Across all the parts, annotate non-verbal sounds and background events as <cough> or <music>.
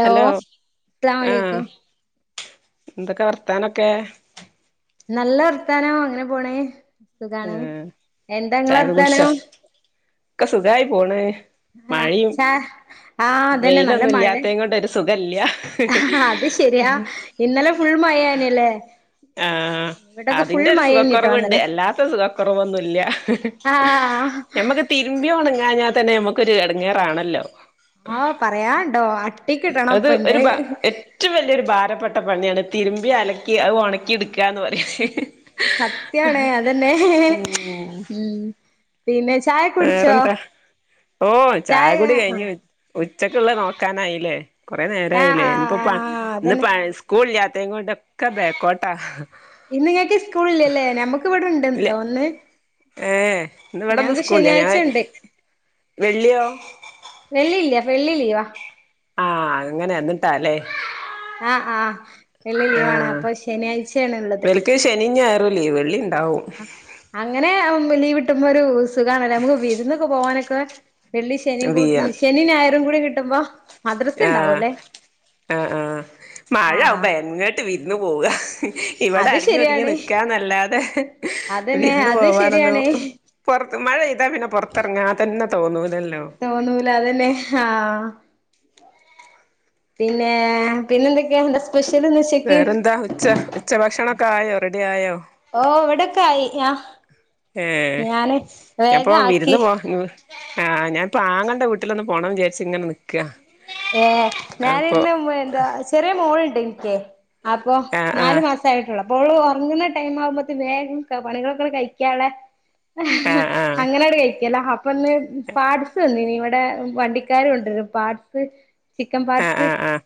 Hello ആ എന്തൊക്കെ വർത്താനൊക്കെ? നല്ല വർത്താനം അങ്ങനെ പോണേ സുഖാണ് ഏഹ് എന്താങ്ങളെ ചായൊക്കെ വർത്താനം കുടിച്ചോ ഒക്കെ സുഖമായി പോണ് ആഹ് മഴയും ചാ ആഹ് അതന്നെ വെയിലൊന്നും ഇല്ലാത്ത കൊണ്ടൊരു സുഖല്യാ അഹാ ഹാ അത് ശെരിയാ ഇന്നലെ ഫുൾ മയാനില്ലേ ആ അതിന്റെ ഒരു സുഖക്കുറവുണ്ട് ഇന്നലെ അല്ലാത്ത സുഖകുറവെന്നു ഇല്ല ഹ് ഹ് ആഹ് ഞമ്മക്ക് തിരുമ്പിയാ ഒണങ്ങാഞ്ഞാൽ തന്നെ നമുക്കൊരു എടങ്ങേറാണല്ലോ ആഹ് പറയാണ്ടോ അട്ടിക്കിട്ടണം അത് ഇപ്പൊ ഒരു ഇന്ന് ബ ഏറ്റവും വലിയൊരു ഭാരപ്പെട്ട പണിയാണ് തിരുമ്പി അലക്കി അത് ഉണക്കി എടുക്കുകന്ന് പറയാ ഹ് ഹ് സത്യാണ് അതന്നെ ഉം ഉം പിന്നെ ചായ കുടിച്ചോ വേറെന്താ ഓഹ് ചായ കൂടി കയിഞ്ഞു ഉച്ചക്ക്ള്ള നോക്കാനായില്ലേ കൊറെ ആഹ് നേരയില്ലേ എന്ത്പ്പാ ആഹ് ഇന്ന് പ അതന്നെ സ്കൂൾ ഇല്ല്യതേകൊണ്ട് ഒക്കെ ബാക്കോട്ട ഇന്ന് ങ്ങക്ക് സ്കൂളല്ലല്ലേ നഞമ്മക്ക് ഇവിടെണ്ട് ഇല്ല തോന്ന് ഏ ഇന്ന് ഞ ഇവിടെന്ന് സ്കൂളില്ല ഞാൻ ശനിയാഴ്ച ഇണ്ട് വെള്ളിയോ വെള്ളില്ല വെള്ളിലീവാ ആഹ് അങ്ങനെ എന്നിട്ടാല്ലേ ആഹ് ആഹ് വെള്ളി ആ ലീവാണ് അപ്പൊ ശനിയാഴ്ചയാണ് ഇള്ളത് ഇവൽക്ക് ശനി ഞായർ ഒരു ലീവ് വെള്ളി ഇണ്ടാവും അങ്ങനെ ലീവ് ഇട്ടുമ്പോ ഒരു സുഖമാല്ല നമുക്ക് വിരുന്നൊക്കെ പോകാനൊക്കെ വെള്ളി ശനി കൂട്, വീയാൻ ശനി ഞായറും കൂടി കിട്ടുംപോ ആഹ് ആഹ് ആഹ് ആഹ് മഴാവുബോ എങ്ങട്ട് വിര്ന്ന് പോവ ഇവിടെ അത് അടിങ്ങി ഒതുങ്ങി ശരിയാണ് നിക്കാന്നല്ലാതെ അതന്നെ വിരുന്ന് അത് പോവാനന്നു ശരിയാണ് പുറത്ത് മഴെയ്താ പിന്നെ പുറത്തിറങ്ങാ തന്നെ തോന്നൂലല്ല തോന്നൂല അതന്നെ ആഹ് പിന്നെ പിന്നെന്തൊക്കെയാ എന്താ സ്പെഷ്യൽ ഒന്ന് ശരി വേറെന്താ ഉച്ച ഉച്ച ഭക്ഷണൊക്കെ ആയോ റെഡി ആയോ ഓ ഇവിടൊക്കെ ആയി ആഹ് ഏ ഞാന് പ്പൊ വേഗം വിരുന്ന് ആക്കി പോവാ ആഹ് ഞാനിപ്പപ്പോ ആങ്ങടെ വീട്ടിലൊന്ന് പോണം വിചാരിച്ചു ഇങ്ങനെ നി ഏഹ ഞാനിന്ന് എന്താ ചെറിയ മോളുണ്ട് എനിക്ക അപ്പൊ ആഹ് നാലു ആഹ് മാസം ആയിട്ടുള്ള ഓള് ഉറങ്ങുന്ന ടൈം ആവുമ്പോേ വേഗം പണികളൊക്കെ കഴിക്കാള്ളെ ആഹ് ആഹ് അങ്ങനെട് കഴിക്കല്ലോ അപ്പൊ ന്ന് പാട് ത് നി ഇവിടെ വണ്ടിക്കാര് കൊണ്ട്വരും പാർട്സ് ചിക്കൻ ആഹ് പാർട്സ് ആഹ് ആഹ്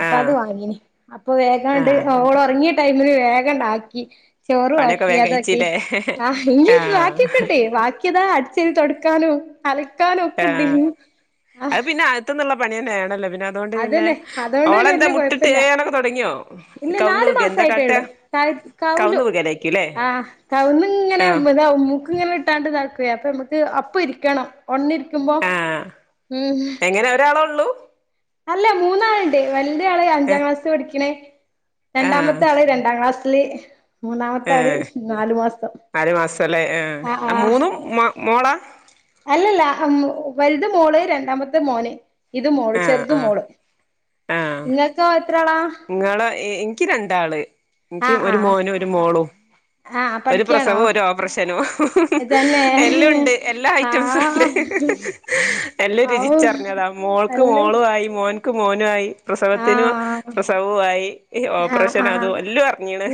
അപ്പൊ അത് ആഹ് വാങ്ങിനി അപ്പൊ വേഗംണ്ട് ആഹ് ഓള ഉറങ്ങിട്ട് ടൈമിന് വേഗം ണ്ടാക്കി ചോറ് പണിയൊക്കെ ആക്കി വേഗം അതാക്കി കഴിച്ചില്ലേ ആഹ് ഇനീ ആഹ് വാക്കിക്ണ്ട് ബാക്കി താ അടിച് വാരി തൊടുക്കാനും അലക്കാനും ഒക്കെ ഇണ്ട്ഇനിം ത് ന്ളള പണിനെ ആണല്ലാ പിന്നെ അതുകൊണ്ട് പിന്നെ അതുകൊണ്ട് പിന്നെ ഓളെന്താ വല്യ മുട്ട്ട്ട് കൊഴപ്പില്ല എയാനൊക്കെ തൊ ടങ്ങിയോ കവ്ന്ന് വികെ എന്താ കാട്ടാ കവുന്ന് കൗലും വികലായിരിക്കുംല്ലേ ആ കൗന്ന്ങ്ങനെ ആഹ് ഇതാവും മൂക്ക് ഇങ്ങനെ ട്ടാണ്ട് ഇതാക്കുവെ അപ്പൊ നമ്മക്ക് അപ്പ ഇരിക്കണം ഒൺന്ന് ര്ക്കുമ്പോ ഉം ഇങ്ങനെ ഒരാള ഒള്ളൂ അല്ല മൂന്നാള്ണ്ട് വൽത് ആള് അഞ്ചാം ഏഹ് ക്ലാസ്സ് പഠിക്ക്‌ണേ ആഹ് രണ്ടാമത്തെ ആള് രണ്ടാം ക്ലാസ്ല്ല് ഏ അര മാസലെ ആഹ് അ ആഹ് മൂന്നും മ മോള അല്ലല്ല വൽത് മോള് രണ്ടാമത്തെ മോന് ഇത് മോള് ആഹ് ചെർത് ആഹ് മോള് ഇങ്ങക്കോ എത്രാളാ ഇങ്ങളെ ഇൻക്കി രണ്ടാള് ഇൻക്കി ഒരു മോനും ഒരു മോളും ആ പഠിക്യാ പ്രസവു ഒരു ഓപ്പർഷനും എല്ലുണ്ട് എല്ലാ ഐറ്റംസും ഉണ്ട് എല്ലും രുചിച്ചർഞ്ഞതാ മോൾക്ക് മോളു ആയി മോൻക്ക് മോനു ആയി പ്രസവത്തിനു പ്രസവു ആയി ഓപ്പർഷന് അതും എല്ലും അർഞീണ്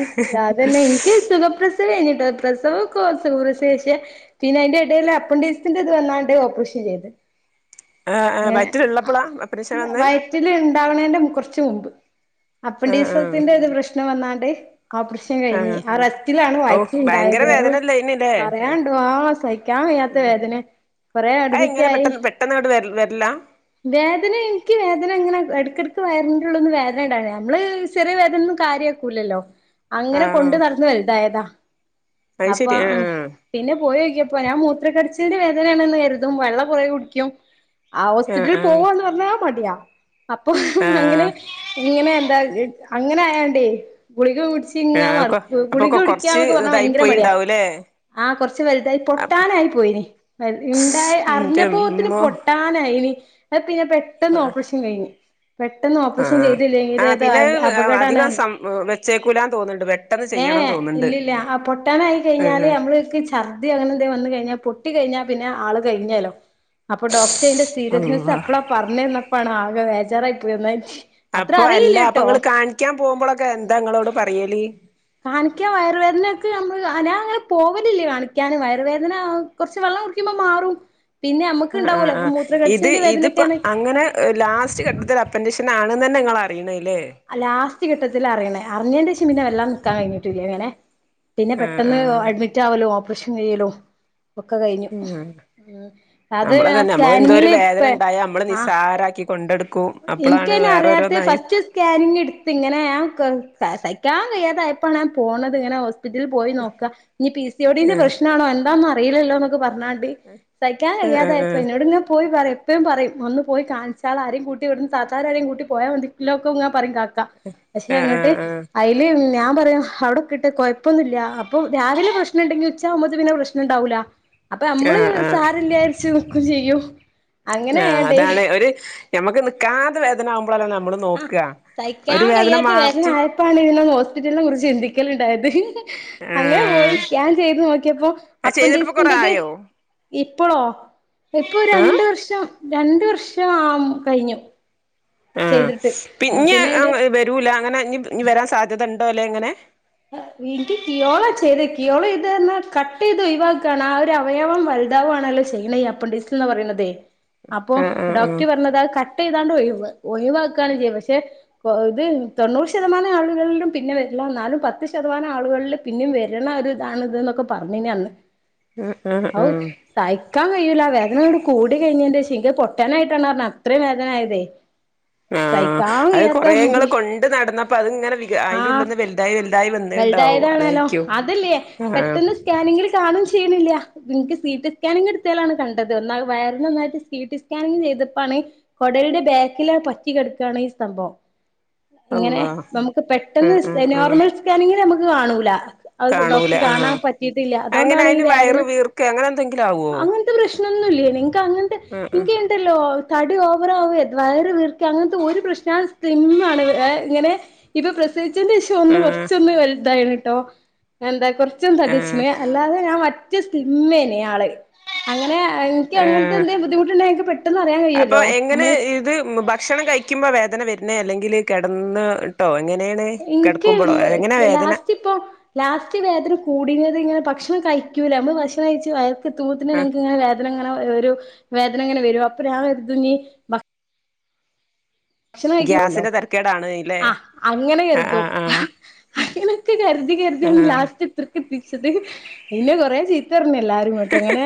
യിഞ്ഞിട്ടോ പ്രസവ ഒക്ക <unintelligible> പിന്നെ അയിന്റെടെല് അപ്പണ്ടഡീസ്റ്റ്ന്റത് വന്നാണ്ട് ഓപ്പർഷൻ ചെയ്ത് ആഹ് ആഹ് അങ്ങനെ വയറ്റിലുള്ളപ്പളാ ഓപ്പറേഷൻ വന്നേ വയറ്റില് ണെൻ്റ കൊർച്ച് മുമ്പ് ആഹ് അപ്പൻ്റിസത്തിൻ്റെ പ്രശ്നം വന്നാണ്ട് ഓപ്പ്രഷ് കഴിഞ്ഞ് ആഹ് ആഹ് ആ റസ്‌റ്റിലാണ് ഓ ഭയങ്കര വയ്റ്റിണ്ടായത് വേദനല്ലേനില്ലേ പറയാണ്ടോ ആ സയിക്കാ ക്കാം വയ്യാത്ത വേദനെ അഹ് എങ്ങനെ പെട്ട പെട്ടെന്നാണ്ട് വര് വര്ലാ വേദന ഇൻക്ക് വേദന അങ്ങനെ എട ക്കടക്ക് വയറിൻ്റുള്ള്ന്ന് വേദന ഇണ്ടാവലുണ്ട് നമ്മള് ചെറിയ വേദനന്നും കാര്യാക്കൂല ല്ലോ അങ്ങനെ ആഹ് കൊണ്ട് നടന്ന് വൽതായതാ അത് അപ്പൊ ശരി ആഹ് പിന്നെ പോയോക്കിയപ്പോ ഞാൻ മൂത്രക്കട്ച്ചിൽന്റെ വേദനെണെന്ന് കര്തും വെള്ളം പോയി കുടിക്കും ആ ആഹ് ഹോസ്പിറ്റൽ ആഹ് പോവോന്ന് പർഞ്ഞാൽ മടിയാ അപ്പൊ അങ്ങനെ ഇങ്ങനെ എന്താ അങ്ങനെ ആയാണ്ടേ ഗുളിക കുടിച്ച് ആഹ് ചിങ്ങനെ ആഹ് നട്ക്കു അപ്പൊ ഗുളിക കൊറച്ച് കുടിക്ക്യന്നൊക്കെ പർഞ്ഞാ ഇതായി ഭയങ്കര മടിയാ പോയിണ്ടാവൂലേ ആ കൊർച്ച് വൽതായി പൊട്ടാനായി പോയിനി ഇണ്ടായി അർഞ്ഞപ്പോത്തിന് ന്റെമ്മോ പൊട്ട നായിനി അഹ് പിന്നെ പെട്ടെന്ന് ഓപ്പർഷൻ കഴിഞ് പെട്ടെന്ന് ഓപ്പർഷൻ ആഹ് ചെയ്തില്ലെങ്കില് ആഹ് അത് പിന്നെ അധികം അപകടാണാർഞ്ഞ് സം വെച്ചേക്കൂലാന്ന് തോന്നുന്നുണ്ട് പെട്ടെന്ന് ഏ ചെയ്യണം ഏ തോന്നുന്നുണ്ട് ഇല്ലല്ല ആ പൊട്ടാനായി കഴിഞ്ഞാല് ആഹ് നമ്മള്ക്ക് ഛർദ്ദി അങ്ങനെന്തേ വന്ന് കഴിഞ്ഞാ പൊട്ടി കഴിഞ്ഞാ പിന്നെ ആള് കഴിഞ്ഞെ ലോ അപ്പൊ ഡോക്ട് അയിന്റെ സീരിയസ്നെസ് അള്ളാ അപ്പളാ പർഞ്ഞന്നപ്പാണ് ആകെ വേചാറായി പോയി അത്ര അപ്പൊ അറിയില്ല അല്ല അപ്പൊ ട്ടോ ഇങ്ങള് കാണിക്ക്യാൻ പോവുമ്പളൊക്കെ എന്താ ങ്ങളോട് പറയല് കാണിക്ക്യാൻ വയറുവേദനക്ക്‌ അമ്മള് അ നാ അങ്ങനെ പോവലില്ല കാണിക്ക്യാന് വയറ് വേദനാ കൊർച്ച് വെള്ളം കുടിക്ക്മ്പോ മാറും പിന്നെ ആഹ് അമ്മക്ക്ണ്ടാവൊ ആഹ് ലോ ആഹ് ഇത് മൂത്രകട്ചിലിന്റെ ഇതിപ്പോ വേദനയോക്കെണ അങ്ങനെ ലാസ്റ്റ് ഘട്ടത്തിലാ അപ്പൻഡീഷൻ ആണ് ന്നന്നെ ഇങ്ങള് അറിണ ലെ ആ ലാസ്റ്റ് ഘട്ടത്തിലാ അറീണേ അർഞ്ഞെന്റെശം പിന്നെ വല്ലാതെ നിക്കാൻ കഴിഞ്ഞിട്ടില്ല ങ്ങനെ പിന്നെ ആഹ് പെട്ടെന്ന് ആഹ് അഡ്മിറ്റ് ആവലും ഓപ്പർഷൻ കയ്യലും ഒക്കെ കഴിഞ്ഞു ഉം അത് നമ്മളെ ഞാൻ തന്നെ നമ്മള് എന്തോ ഒരു സ്കാനിങ്ങില് വേദന പെ ഉണ്ടായ നമ്മള് ആഹ് നിസ്സാരാക്കി കൊണ്ടെടുക്കും അപ്പളാണ് ഇനിക്കയ്ന് അറിയാത്തെ വേറെരോന്നായി ഫസ്റ്റ് സ്കാനിങ് ഇട്ത്ത് ഇങ്ങനെ ഞാൻ സ സഹിക്കാൻ കയ്യാതായപ്പോണ് ഞാൻ പോണത് ഇങ്ങനെ ഹോസ് പിറ്റൽ പോയി നോക്കാ ഇഞ് പി സി ഓ ടി ന്റെ ആഹ് പ്രശ്ന ആണോ എന്താന്നൊറില ല്ലോന്നൊക്കെ പർഞ്ഞാണ്ട് സഹിക്കാൻ ആഹ് ആഹ് കയ്യാതായപ്പൊ എന്നോട് ഇങ്ങനെ പോയി പറിം ഇപ്പി പറിം ഒന്ന് പോയി കാൺച്ചാള ആരേം കൂ ഇവ്ട്ന്ന് താത്താരാരേം കൂട്ടി പോയാ മതിലൊക്കെ ഇങ്ങ പറിം കാക്കാ പക്ഷെ ആഹ് അങ്ങട്ട് ആഹ് ആഹ് അയില് ഞാൻ പറയും അവിടെക്കെട്ട കൊഴപ്പൊന്നുല്ല അപ്പൊ രാവിലെ പ്രശ്നണ്ടെങ്കി ഉച്ചാവുമ്പോത്തിന് പിന്നെ പ്രശ് ണ്ടാവൂല അപ്പ അമ്മള് ആഹ് ആഹ് സാരല്ലര്ച്ചു നിക്കും ചെയ്യും ആ അങ്ങനെയാണ്ടേ അതാണ് ഒരു ഞമ്മക്ക് നിക്കാതെ വേദന ആവുമ്പളാ നമ്മളും ആഹ് നോക്കാ ഒരു വേദന മാറ്റി ഇപ്പ അലയന്ന ഹോസ്പിറ്റലിനെ കുറിച്ച് ചിന്തിക്കല്ണ്ടായത്? അങ്ങനെ ആഹ് പോയി സ്കാൻ ചെയ്ത് നോക്കിയപ്പോ അത് ചെയ്തിട്ടിപ്പോ കൊറേ അപ്പൻ്റിസിൻ്റെത് ആയോ ഇപ്പോളോ ഇപ്പൊ ആഹ് രണ്ട് വർഷം രണ്ട് വർഷം ആ കഴിഞ്ഞു ചെയ്തിട്ട് ആ പിന്നെ അയിന്റെ വരുൂല അങ്ങനെ ഇനി ഇനി വരാൻ സാധ്യതണ്ടോല്ലെങ്ങനെ എനിക്ക് കിയോള ചെയ്ത കിയോള ചെയ്താന്ന് പറഞ്ഞ കട്ട് ചെയ്ത് ഒഴിവാകാണ് ആ ഒരു അവയവം വലുതാവുവാണല്ലോ ചെയ്യണത് അപ്പൻ്റിക്സ്ന്ന് പറീണതെ അപ്പോ ആഹ് ആഹ് ആഹ് ഡോക്ടറ് പറഞ്ഞതാ അത് കട്ട് കട്ട് ചെതാണ്ട് ഒഴിവ് ഒഴിവാക്കാണ് ചെയ്യും പക്ഷെ ഇത് തൊണ്ണൂറ് ശതമാനം ആളുകളിലും പിന്നെ വരില്ല എന്നാലും പത്ത് പത്ത് ശതമാനം ആളുകളിൽ പിന്നെയും വരണ ഒരു ഇതാണ് ഇത് എന്നൊക്കെ പറഞ്ഞെ അന്ന് ആഹ് ആഹ് ഹൗ ആഹ് സഹിക്കാ കഴിൂല വേദനോട് കൂടി കഴിഞ്ഞന്റെ <unintelligible> പൊട്ടനായിട്ടാണ് റഞ്ഞ അത്രയും വേദന ആയതേ ആഹ് അത് സഹിക്കാവയത്താ കൊറേ ഇങ്ങള് മാതിരി കൊണ്ട് നടന്നപ്പോ അതിങ്ങനെ വിക അയിന്റെ ആഹ് ഉള്ളിന്ന് വലുതായി വലുതായി വന്ന് വലുതായതാണല്ലോ അതല്ലേ ആഹ് പെട്ടന്ന് സ്കാനിങ്ങിൽ കാണും ചെയ്യണില്ല നിക്ക് സി ടി സ്കാനിങ് എടുത്തേലാണ് കണ്ടത് ഒന്നാ വയറി നന്നായിട്ട് സി ടി സ്കാനിങ് ചെയ്തപ്പാണ് കൊടലിന്റെ ബാക്കിൽ പറ്റി കിടക്കുകയാണ് ഈ സംഭവം ഇങ്ങനെ അള്ളാ നമുക്ക് പെട്ടെന്ന് ആഹ് ആഹ് ആഹ് നോർമൽ സ്കാനിങ്ങിന് നമുക്ക് കാണൂല അത് കാണൂല ഡോക്ടി കാണാൻ ആഹ് പറ്റീട്ടില്ല അങ്ങനെ അതുകൊണ്ടാണ് ഈ അയിന് വേദന വയറ് വീർക്കെ അങ്ങനെ എന്തെങ്കിലും ആവോ അങ്ങനെ പ്രശ്നന്നും ഇല്ലേ നിക്ക് അങ്ങനത്തെ ആഹ് നിങ്ക് ല്ലല്ലോ തടി ഓവറാവെ വയർ വീർക്കെ അങ്ങനത്തെ ഒരു പ്രശ്നം ഞാൻ സ്ലിം ആണ് ഇവ വെ ഇങ്ങനെ ഇപ്പൊ പ്രസവിച്ചന്റെ ശേഷം ഒന്ന് ആഹ് കുറ ആഹ് ദയാണ് ട്ടോ എന്താ കുറച്ചും ആഹ് തടിച്ചന് അല്ലാതെ ഞാൻ മ മറ്റ സ്ലിംമ്മേനെയാള് അങ്ങനെ എനിക്ക് അങ്ങനത്തെ ആഹ് എന്തെങ്കും ബുദ്ധിമുട്ടുണ്ടെങ്ക എനിക്ക് പെട്ടെന്ന് അറിയാൻ അപ്പൊ കഴിയല്ലോ എങ്ങനെ നമ്മള് ഇത് ഭക്ഷണം കഴി ക്കുമ്പോ വേദന വരുന്ന അല്ലെങ്കിൽ കിടന്നിട്ടോ എങ്ങനെയാണ് ഇൻക്ക് കിടക്കുമ്പോഴോ എങ്ങനാ വേദന ലാസ്റ്റ് ഇപ്പൊ ലാസ്റ്റ് വേദന കൂടിയത് ഇങ്ങനെ ഭക്ഷണം കഴിക്കൂല്ല നമ്മള് ഭക്ഷണം കഴിച്ച് വയ തൂത്തിന ആഹ് നിക്ക്‌ങ്ങനെ വേദനങ്ങനെ ഒരു വേദനങ്ങനെ വരും അപ്പോ ഞാൻ കരുതു നി ഭ ഭക്ഷണം കഴിക്കും പോലോ ഗ്യാസിന്റെ തരക്കേടാണ് ഇല്ലേ ആ അങ്ങനെ ആഹ് കരുതും ആഹ് ആഹ് അങ്ങനക്കെ കരുതി കരുതിയാണ് ആഹ് ലാസ്റ്റ് ഇത്രക്ക് എത്തിച്ചത് ഇന്നെ കൊറെ ചീത്ത പറഞ്ഞ് എല്ലാവാരുഇട്ട് അങ്ങനെ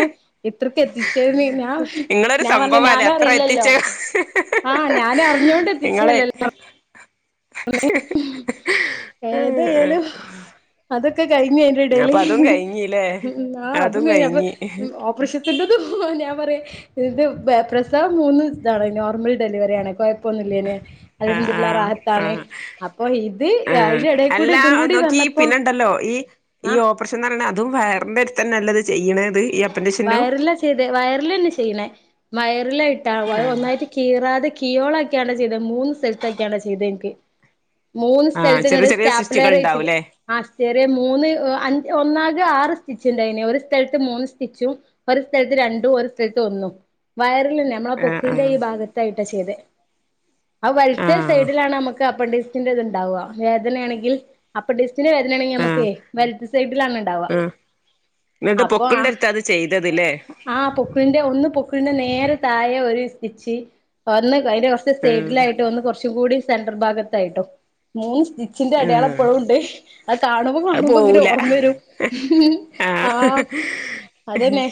ഇത്രക്ക് എത്തിച്ചതിന് ഞാ ആ ഇങ്ങളൊരു ഞാൻ പറഞ്ഞ സംഭവല്ലേ ഞാന അത്ര അറിയില്ലല്ലോ എത്തിച്ചേ ആഹ് ഞാന അറിഞ്ഞോണ്ട് നിങ്ങളെ എത്തിച്ചല്ലല്ലോ അമ്മേ ഏതായാലും അതൊക്കെ കഴിഞ്ഞ അതിന്റെടേല് അപ്പൊ അതും കഴിഞ്ഞില്ലേ ങാ അതും കഴിഞ്ഞ് അപ്പൊ ഓപ്പറേഷൻ <unintelligible> ഞാൻ പറയ് ഇത് പ്രസവം മൂന്ന് ഇതാണ് നോർമൽ ഡെലിവറിയാണ് കൊയപ്പൊന്നില്ലേന് അൽഹംദുലില്ലാഹ് റാഹത് ആ ആ എടേ കൂടെ അല്ല ഇതും കൂടി നോക്കി വന്നപ്പോ പിന്നെണ്ടല്ലോ ഈ ആ ഈ ഓ പ്പറേഷൻന്ന് പറണ അതും വയറിന്റെ അടുത്തന്നല്ലത് ചെയ്യണത് അപ്പൻഡിക്സിന്റെോ വയറിലാ ചെയ്ത് വയറിലന്നെ ചെയ്യണേ വയറിലാ ഇട്ടാവ ആഹ് ഒന്നായിട്ട് കീറാതെ കിയോളാക്കിയാണ്ടാ ചെയ്തത് മൂന്ന് സ്ഥലത്തൊക്കെയാണ്ടാ ചെയ്തെ എനിക്ക് മൂന്ന് ആഹ് സ്ഥലത്ത് ഇങ്ങോട്ട് ചെറിയ ചെറിയ സ്റ്റാപ്ലർ സിസ്റ്റുകൾ വച്ചത് ഉണ്ടാവൂല്ലേ ആ ചെറിയ മൂന്ന് അ ഒന്നാകെ ആറ് സ്റ്റിച്ച് ഉണ്ടായിന് ഒരു സ്ഥലത്ത് മൂന്ന് റ്റിച്ചും ഒരു സ്ഥലത്ത് രണ്ടും ഒരു സ്ഥലത്ത് ഒന്നും വയറൽന്നെ നമ്മള ആഹ് പൊക്കിളിന്റെ ആഹ് ഈ ഭാഗത്തായിട്ട് ട്ട ചെയ്തെ ആ വലത്തെ ആഹ് സൈഡിലാണ് നമുക്ക് അപ്പന്റിസിന്റെ ഇത്ണ്ടാവുക വേദനയാണെങ്കിൽ അപ്പന്റിസിന്റെ വേദന ആണെങ്കി ആഹ് നമുക്കെ വലത്ത് സൈഡിലാണ് ഉണ്ടാവുക ആഹ് എന്നിട്ട് അപ്പൊ ആ പൊക്കിൾന്റടുത്ത അത് ചെയ്തതില്ലേ ആഹ് പൊക്കിളിന്റെ ഒന്ന് പൊ‌ക്കിളിന്റെ നേരെ താഴെ ഒരു സ്റ്റിച്ച് ഒന്ന് അതിന്റെ കൊറ ച്ചു ആഹ് സൈഡിലായിട്ടോ ഒന്ന് കുറച്ചും കൂടി സെൻഡ്രൽ ഭാഗത്തായിട്ടോ മൂന്ന് സ്റ്റി ച്ചിന്റെ അടയാളം ആഹ് ഇപ്പഴുണ്ട് അത് കാണുമ്പൊ അത് കാണുമ്പൊ ഇങ്ങനെ പോവൂല ഓർമ്മ വരും ആഹ് അതന്നെ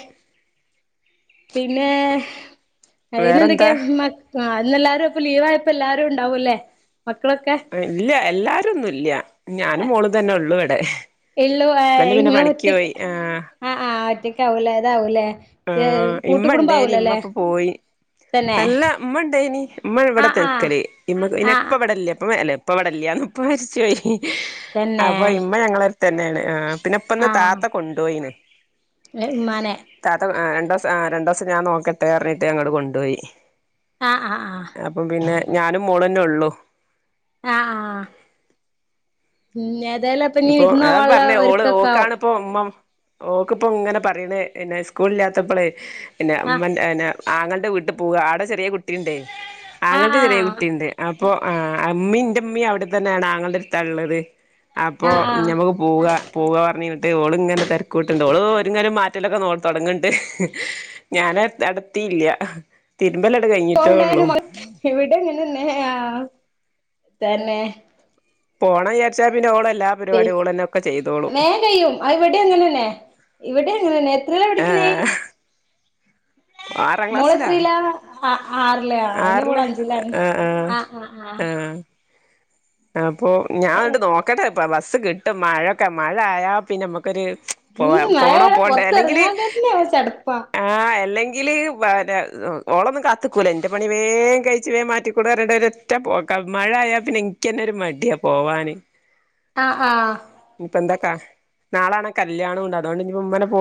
പിന്നേ വേറെന്താ അയ്നെന്തൊക്കെയാ മ ആഹ് ഇന്ന് എല്ലാരു അപ്പ ലീവായപ്പ എല്ലാരു ഉണ്ടാവൂല്ലേ മക്കളൊക്കെ ഇല്ല എല്ലാരൊന്നും ഇല്ല ഞാനും മോളും തന്നെ ഒള്ളു ഇവടെ <unintelligible> ഇങ്ങള് ഒറ്റക്ക് ആഹ് ആഹ് ഒറ്റയ്ക്കാവൂല്ലേ ഇതാവൂല്ലേ ആഹ് കൂട്ടു ഇമ്മ ഇണ്ടേനി കുടുംബാവൂലല്ലേ തന്നേ ഉമ്മണ്ടയ്നി ഉമ്മ ഇവിടെ തെക്കല് ഇവി ഇനി എപ്പ ആഹ് ഇവിടെല്ലേ ഇപ്പ മേലേ ഇപ്പ ഇവിടില്ല്യാന്ന് ഇപ്പ മരിച്ചു പോയി തന്നെ അപ്പൊ ഇമ്മ ഞങ്ങളടുത്തന്നേണ് ആഹ് പിന്നെപ്പിന്ന താത്ത കൊണ്ടോയിണ് എഹ് ഉമ്മാനെ താത്ത അഹ് രണ്ടോസം അഹ് രണ്ടോസം ഞാൻ നോക്കട്ടേ പറഞ്ഞിട്ട് അങ്ങട് കൊണ്ടുപോയി ആഹ് ആഹ് ആഹ് അപ്പം പിന്നെ ഞാനും മോളന്നെ ഒള്ളൂ ഞ ആഹ് ആഹ് ഉം ഏതായാലും അപ്പൊ ഇനി വിരുന്ന് പോവാള്ള ഒരുക്കൊക്ക ആവും ഇപ്പൊ ഉമ്മം ഓക്ക് ഇപ്പോ ഇങ്ങനെ പറയണെ പിന്നെ സ്കൂള് ഇല്ലാത്തപ്പളേ പിന്നെ ആഹ് ഉമ്മന്റെ <unintelligible> ആങ്ങൾടെ വീട്ട് പോവ ആടെ ചെറിയ കുട്ടീണ്ടേ ആഹ് ആങ്ങൾക്ക് ചെറിയ ആഹ് കുട്ടീണ്ട് അ പ്പൊ ആ ഉമ്മീ ഇന്റുമ്മിം അവിടെ തന്നെയാണ് ആങ്ങൾടടുത്താ ഇള്ളത് അപ്പോ ആഹ് ആഹ് ഞമുക്ക് പോവ പൂവാ പറഞ്ഞ് കഴിഞ്ഞിട്ട് ഓള് ഇങ്ങനെ തെരക്കൂട്ട്ണ്ട് ഓള് ഒരുങ്ങാലും മാറ്റലൊക്കെ നോ തൊടങ്ങിണ്ട് ഞാനട് അടത്തിയില്ല തിരുമ്പലട് കയിഞ്ഞ് <unintelligible> ഇവിടെങ്ങനെന്നെ ആഹ് തന്നേ പോണം വിചാരിച്ചാ പിന്നെ ഓള് എല്ലാ പരിപാടിം ഓളന്നെ ഒക്കെ ചെയ്തോളും ആഹ് ഇവിടേം അങ്ങനന്നെ ഇവിടെ അങ്ങനെന്നെ എത്രേലാ പടിക്കണേ ആഹ് ആറാം ക്ലാസ്സിലാ അഹ് ആറില് ഇനി ഇവള് ആറില് അഞ്ചിലാണ് ആഹ് ആഹ് ആഹ് അപ്പൊ ആഹ് ഞാനട്ട് നോക്കട്ടെ ഇപ്പ ബസ്സ് കിട്ടും മഴൊക്കെ മഴ ആയാ പിന്നെ നമ്മുക്കൊരു പോവാ ഉം പോണോ അയാളെ പോണ്ടേ അല്ലെങ്കില് പൊറത്തെറങ്ങാൻ തന്നെ ചടപ്പാ ആഹ് എല്ലെങ്കില് <unintelligible> ഓളൊന്നും കാത്ത്ക്കൂല എൻ്റെ പണി വേഗം കഴിച്ച് വേഗം മാറ്റിക്കൊട് <unintelligible> ഒറ്റ പോക്കാ മഴ ആയാ പിന്നെ ഇൻക്കന്നെ ഒരു മടിയാ പോവാന് ആഹ് ആഹ് ഇപ്പൊ എന്താക്കാ നാളാണെ കല്യാണം ഉണ്ട് അതുകൊണ്ട് ഇനിപ്പ ഉമ്മനെ പൊ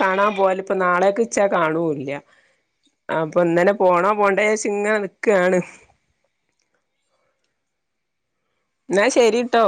കാണാൻ പോവാല് ഇപ്പം നാളേ‌ക്കിച്ചാ കാണൂ ഇല്ല അപ്പൊ ഇന്നന്നെ പോണോ പോണ്ടേച്ചിങ്ങനെ നിക്കാണ് എന്നാ ശെരീട്ടോ